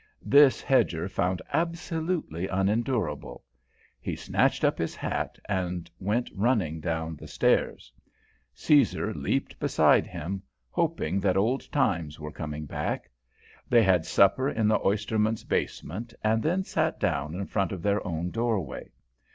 This Hedger found absolutely unendurable. He snatched up his hat and went running down the stairs. Caesar leaped beside him, hoping that old times were coming back. They had supper in the oysterman's basement and then sat down in front of their own doorway.